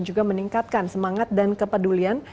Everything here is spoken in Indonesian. juga meningkatkan semangat dan kepedulian